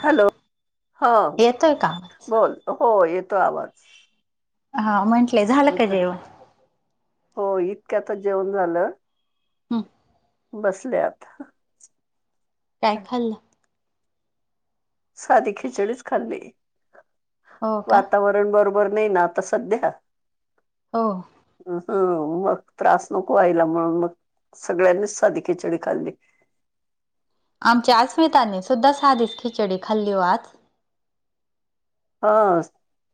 Hello! हा येतोय का आवाज? बोल हो येतो आवाज, हा म्हटलेयं झालं का जेवनं हो इतक्यातं जेवण झालं. हम, बसलंयत. काय खाल्लं साधी खिचडीचं खाल्ली हो का वातावरण बरोबर नाही ना आता सध्या हो. ह, मग त्रास नको व्हायला मंग सगळ्यांनीचं साधी खिचडी खाल्ली. आमच्या अस्मितांनी सुद्धा साधीचं खिचडी खाल्ली हो आज. हा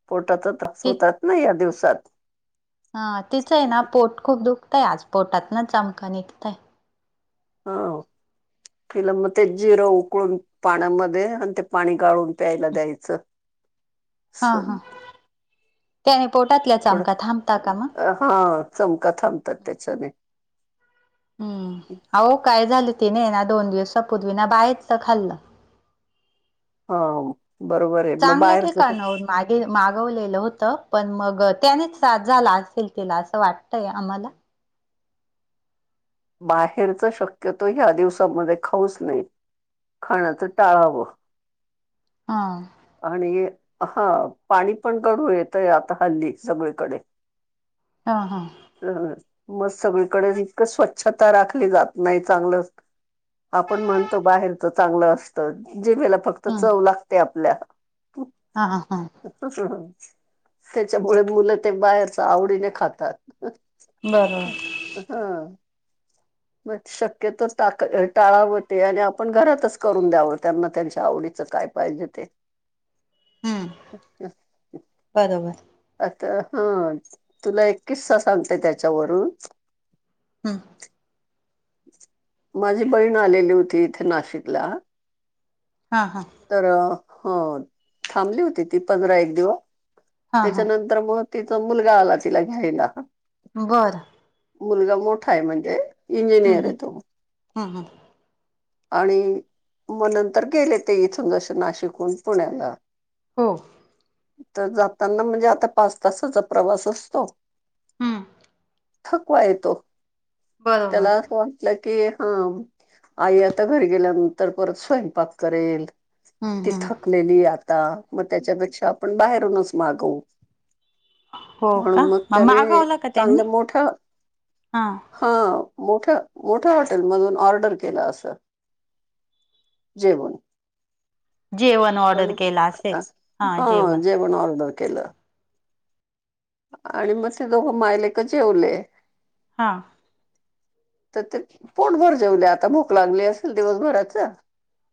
पोटात तास ती होतात ना. या दिवसात. हा तिचं ना पोट खूप दुखतंय आज पोटातं चमका निघतयं हाव तिला मग ते जिरं उकळून पाण्यामध्ये आणि ते पाणी गाळून प्यायला दयाचं हा. हा. त्याने पोटातल्या थोडं चमका थांबता का मग् हा चमका थांबतात त्याच्याने हम् अह काय झालं तिने ना दोन दिवसचा पूदवी ना बाहेरच खाल्ल [unintelligible] हा बरोबर आहे मग चांगल्या बाहेरचस ठिकाणाहून मागे मागवलेलं होतं पण मग त्यानेच त्रास झाला असेल तिला असं वाटतय आम्हाला बाहेरच शक्यतो या दिवसामध्ये खाऊचं नाही खाणं त टाळावं. हा, आणि हे हा पाणी पण गडूळ येतयं आता हल्ली सगळीकडे हा, हा, मंग सगळीकडे इतकं स्वच्छ, स्वच्छता राखली जात नाही चांगलं आपण म्हणतो बाहेरचं चांगलं असतं जिभेला फक्त हम्म चव लागते. आपल्या हा, हा, त्तसं याच्यामुळे मुलं ते बाहेरचं आवडीने खातात. बरं रं हा. मग शक्यत टाळावं ते आणि आपण घरातचं करून दयाव त्यांना त्यांच्या आवडीचं काय पाहिजे ते. [unintelligible] अच्छा बरोबर आता हा तुला एक किस्सा सांगते त्याच्यावरून हां माझी बहीण आलेली होती इथे नाशिकला हा हा तर हो थांबली होती ती पंधरा एक दिवस हा हा त्याच्यानंतर मग तिचा मुलगा आला तिला घ्यायला. बरं मुलगा मोठा आहे म्हणजे हम इंजिनियर हम आहे तो हा हा आणि मग नंतर गेले ते इथून जसे नाशिकून पुण्याला हो तर जाताना म्हणजे आता पाच तासाचा प्रवास असतो. हम्म थकवा येतो बरोबर त्याला असं वाटलं की हा आईत. आता घरी गेल्यानंतर परत स्वयंपाक करेल हम्म हम्म तिथ लेली आता मग त्याच्यापेक्षा आपण बाहेरूनच मागवु हो का मग त्याने मागवल का त्यांनी चांगल्या मोठ्या हा हा मोठ्या मोठ्या हॉटेल मधून ऑर्डर केलं असं. जेवन जेवण ऑर्डर केलं असेल अ, हा जेवण. पण ऑर्डर केलं आणि मग ते दोघं मायलेक जेवले. हां तर ते पोटभर जेवले आता भूक लागली असेल दिवसभराच.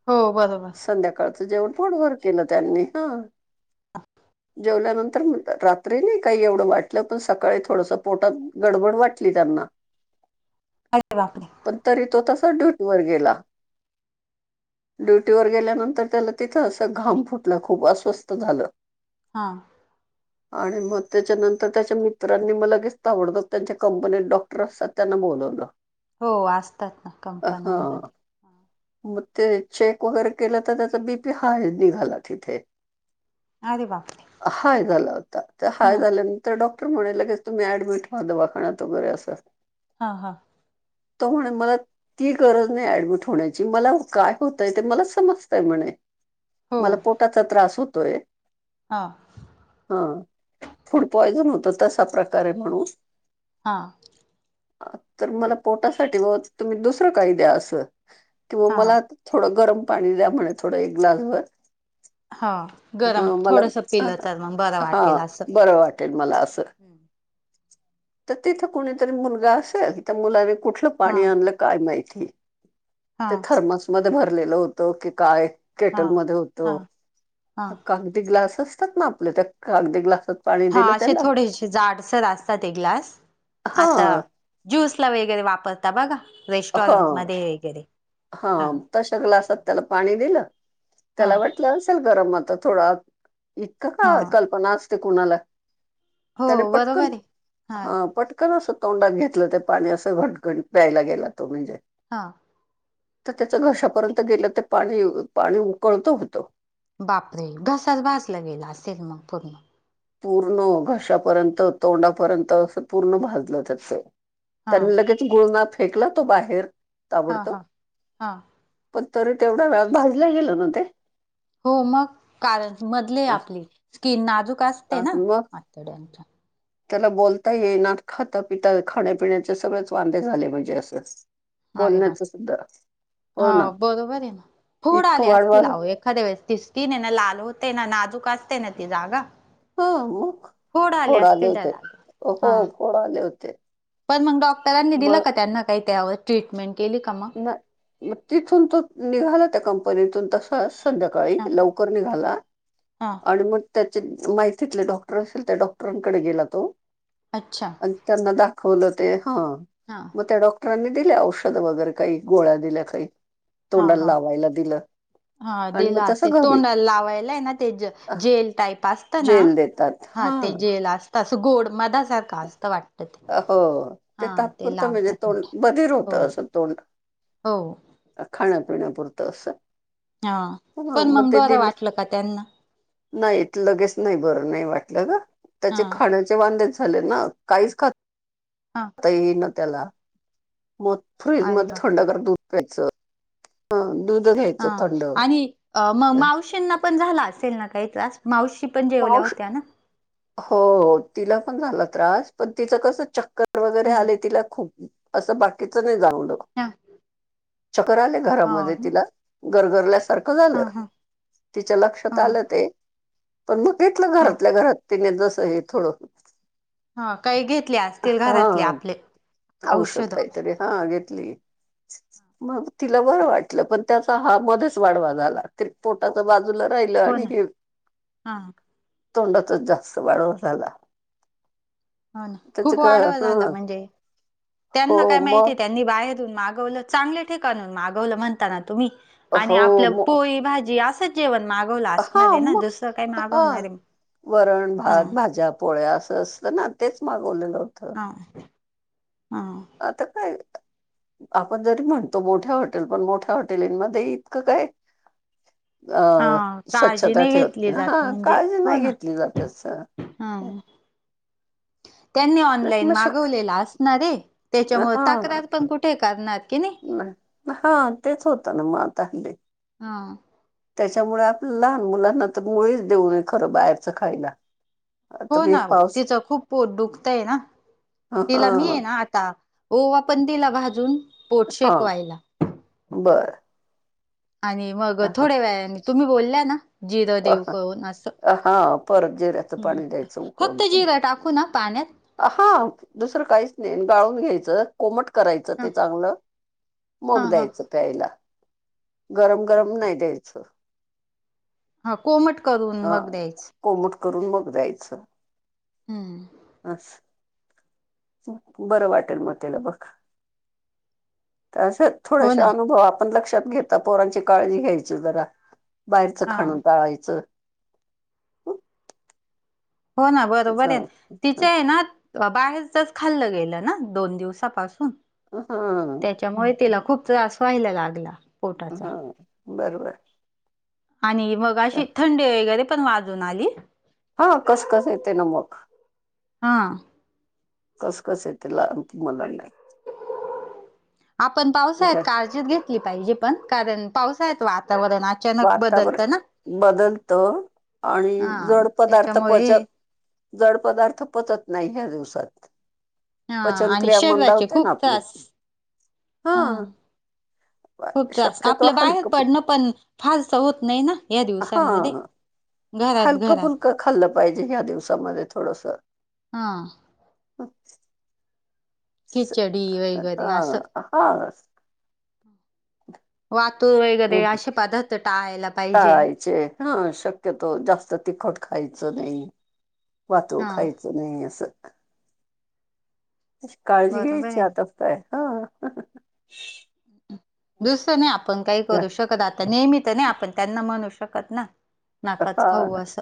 हो बरोबर संध्याकाळचं जेवण पोढभर केलं त्यांनी हा ह जेवल्यानंतर रात्री नाही काही एवढं वाटलं पण सकाळी थोडसं पोटात गडबड वाटली त्यांना अजे वापर पण तरी तो तसा ड्युटीवरर गेला. ह. ड्युटीवरर गेल्यानंतर त्याला तिथं अस घाम फुटलं खूप अस्वस्थ झालं. हां. आणि मग त्याच्यानंतर त्याच्या मित्रांनी म लगेच आवडतं त्यांच्या कंपनीत डॉक्टर असतात त्यांना बोलत. हो असतात ना हा कंपन्यांमध्ये मग ते चेक वगैरे केलं तर त्याचा बीपी हाय निघाला तिथे अरे बापरे हाय झाला होता ते हा हाय झाल्यान तर डॉक्टर म्हणालं की तुम्ही ऍडमिटव्हा दवाखान्यातव वगैरे असं. हा हा त म्ह मला ती गरज नाही ऍडमिट होण्याची मला काय होतय ते मला समजतय म्हणे. हो मला पोटाचा त्रास होतोय. हा हा फूड पॉइझन होतं तसा प्रकार आहे म्हणून हां तर मला पोटासाठी व तुम्ही दुसरं काय द्या असं कि हा मला थोडं गरम पाणी द्या म्हणे थोडं एक ग्लास भर. हा गरम हा मला थोडस पिलं तर मग बरं हा वाटेल असं बरं वाटत. मला अस तर तिथ कणीतरी मुलगा असेल कि त्या मुला व कुठ हा पाणी आण काय माहि हा मध्ये भरलेलं होत की काय केटल हा मध्ये होत हा हा का? अगदी ग्लास असतात ना आपल्या त्या अगदी ग्लास हा असे थोडेसे जाडसर असतात ते ग्लास हा आता ज्यूस ला वगैरे वापरता बघा हा रेस्टॉरंट मध्ये वगैरे हा तशा ग्लासात त्याला पाणी दिलं हा त्याला वाटलं असेल गरम आता थोडा इतकं हा का कल्पना असते कुणाला? हो त्याने पटकन बरोबर आहे हा पटकन कण असं तोंडात घेतलं ते पाणी असं घटघट प्यायला गेला तो म्हणजे हा. त त्याच्या घशापर्यंत गेलं ते पाणी पाणी उकळत होतं. बाप रे! घसाच भाजला गेला असेल मग पूर्ण पूर्ण घशापर्यंत तोंडापर्यंत अस पूर्ण भाजलं त्यांच हा तर लगेच गुळना फेकला तो बाहेर हा ताबडतो. हा हा पण तरी तेवढा वेळा भाजल गेलं ना ते हो मग कारण मधले आपली स्किन नाजूक असते ना असतात मग आतड्यांच्या त्याला बोलता येईना खाता पिता खाण्यापिण्याचे सगळेच वांदे झाले म्हणजे असं. अरे बाप! बोलण्याच सुद्धा हो बरोबर ये ना फोड इतकं आले वाढवा असतील आओ एक एखाद्या वेळेस ती स्किन ये ना लाल होते ना नाजूक असते ना ती जागा हा मग फोड आले असतील त्या होते जागा हो हा फोड आले होते. पण मंग डॉक्टरांनी दिलं मग का त्यांना काय त्यावर ट्रीटमेंट केली का मग नाय म तिथून तो निघाला त्या कंपनीतून तस ह संध्याकाळी लवकर निघाला हां. आणि मग त्याचे माहीतीतले डॉक्टर असेल त्या डॉक्टरांकडे गेला तो अच्छा अनं त्यांना दाखवलं ते हा हां म त्या डॉक्टरांनी दिल्या औषधं वगैरे काही गोळ्या दिल्या काही हा तोंडाला हा लावायला दिलं हा आणि दिलं मग तसं असेल घरी तोंड लावायला ये ना ते ज जेल टाईप असत ना जेल देतात हा हां ते जेल असतं असं गोड मधासारखं असतं वाट अ हो ते तात्पुरत म्हणजे तोंड तोंडात बधीर हो होतं असं तोंड हो खाण्यापिण्या पुुरतं असं हा पण मंग बरं वाटलं का त्यांना नाही लगेच नाही बरं नाही वाटलं ग हा त्याचे खाणं ण्याचे वांदेच झाले ना काहीच खात हा ता येई ना त्याला मग फ्रीज अरे मध्ये बापरे थंडगार दूध प्यायचं. ह दूधच घ्याय अ आणि अ म मावशींना पण झाला असेल ना काही त्रास मावशी पण जेवल्या मावशी होत्या ना हो तिला पण झाला त्रास पण तिचं कस चक्कंर वगैरे हम्म आले तिला खूप असं बाकीच नाय जानऊलं हा चक्कर आलेल हो घरामध्ये ना तिला गरगरल्यासारखं हा झालं हा तिच्या लक्षात हा आलं ते पण म घेतलं हा घरातल्या घरात तिने जस हे थोडं. हा काही घेतले असतील घरातले हा आपले औषध कायतरी हा घेतली. मग तिला बर वाटलं पण त्याचा हा मध्येच वाढवा झाला. पोटाच बाजूला राहिलं हो आणि ना हे हा तोंडाचांच जास्त वाढवा झाला. हो ना त्याच खूप का वाढ झाला ह म्हणजे हो त्यांना काय माहितीय मग त्या नी बाहेरून मागवलं चांगले ठिकाणून मागवलं म्हणता ना तुम्ही आणि हो आपलं मग पोळी भाजी असं जेवण मागवलं हा असणारे ना मग दुसरं काय हा मागवणार ये वरण अ भात भाज्या पोळ्या असं असतं ना तेच मागवलेलं होतं. ह हा. आता काय. आपण जरी म्हणतो मोठ्या हॉटेल पण मोठ्या हॉटेलींमध्ये इतकं काय अं हा काळजी स्वच्छताचे नाही होती घेतली जात हा म्हणजे काळजी हो नाही ना घेतली जात अस. हा. त्यांनी ऑनलाईन मग शक मागवलेला असणारे त्याच्यामुळे हा तक्रार पण कुठे करणार कि नाही. हा तेच होतं ना मत हले एम हा. त्याच्यामुळे आपलं लहान मुलांना तर मुळीच देऊनये खरं बाहेरचं खायला. हो आता हे ना हो पाऊस तिचं खूप पोट दुखतय ना ह तिला मी आहे ना आता हो आपण दिला भाजून पोट शेकवायला. बरं. आणि मग थोड्या वया आणि तुम्ही बोलल्या ना जीर देेऊ करून असं हा पर जे र्यातं पाणी हम्म. द्यायच उकळून. फक्त जिरं टाकू ना पाण्यात हा दुसरं काहीच नाही गाळून घ्यायचं. कोमट करायचं ह ते चांगलं हा मग हा. द्यायचं प्यायला. गरम गरम नाही देच. हा कोमट करून हा मग द्यायच. कोमट करून मग जा्यायचं. हम्म. ह बरं वाटेल मग त्याला बघ. हो थोडेसे ना अनुभव आपण लक्षात घेता पोरांची काळजी घ्यायची जरा. बाहेरचं हा. खाणून टाळायचं. हो ना बरोबर आहे त ना बाहेरचच खाल्लं गेलं ना दोन दिवसापासून. हा. त्याच्यामुळे तिला खूप त्रास व्हायला लागला. पोटाचा. हा बरोबर. आणि मग अशी थंडी वगैरे पण वाजून आली. हा कसं कसं येते ना मग. हा. कसं कसं आहे ते लाह तू मलांडा. आपण पावसा्या काय काळजीत घेतली पाहिजे पण कारण पावसाळ वातावरण अचानक बदलतं ना. वातावरण बदलत आणि हा जड पदार्थ त्याच्यामुळे पचत. जड पदार्थ पचत नाही ह्या दिवसात. हा आणि पचनक्रिया शरीराचे मंदावते ना खूप आपली त्रास हा. खूप तास शक्यतो आपलं बाहेर हलकं फुल पडणं पण फार होत नाही ना. या हा दिवसांमध्ये घरात हलकं घरात फुलकं खाल्लं पाहिजे या्या दिवसामध्ये थोडस. हा. अच्छ. खिचडी वगैरे असं. ह. वाातूर वगैरे असे पदार्थ टाळायला पाहिजे. टाळायचे हा शक्यतो जास्त तिखट खायचं नाही वाातो हा खायच. सु नाही आहे अस. अ काळजी बरोबर घ्यायची आहे ना. आतापताय हा. दुसरं नाही आपण काही करू शकत आता नेहमी तर नाही आपण त्यांना म्हणू शकत ना. नाकाच हा खाऊ असं.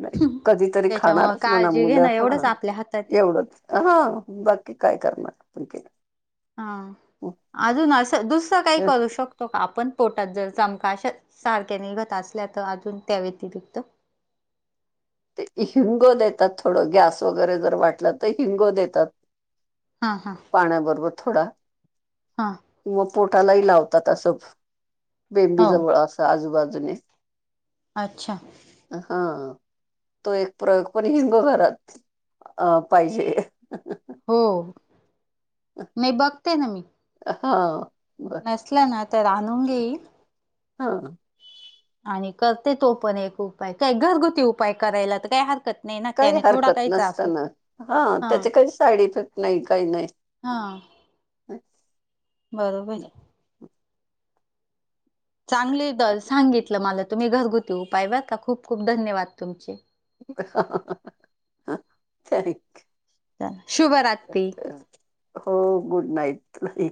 नाही कधीतरी त्याच्यामुळ खाणारच म्हणा काळजी घेणं मुलं एवढंच हा आपल्या हातात आहे एवढंच. ह्हणं, बाकी काय करणार? [unintelligible] पण के. हां, अजून असं दुसरं काही करू शक तो का, आपण पोटात जर चमका अशा सारख्या निघत असल्या, तर अजून त्या व्यतिरिक्त? ते हिंगो देतात, थोडं गॅस वगैरे जर वाटलं तर, हिंगो देतात. हं हं. पाण्याबरोबर थोडा. हां. किंवा पोटालाही लावतात असं, हो बेंबीजवळ असं आजूबाजूने. अच्छा. हं. तो एक प्रयोग, पण हिंग घरात अ पाहिजे. हो, नहीं बघते ना मी. हं ह. नसल्या ना तर आणून घेईन. हं. आणि करते तो पण एक उपाय, काय घरगुती उपाय करायला तर काय हरकत नाही ना काही त्याने थोडा हरकत काही त्रास होत नसतान, हा. त्याचे काही साईड इफेक्ट नाही, काही नाही. हां बरोबर. चांगली द सांगितलं मला तुम्ही घरगुती उपाय, बरका खूप खूप धन्यवाद तुमचे. हँ हं [unintelligible] थँक शुभरात्री. हो गुड नाईट तुलाही.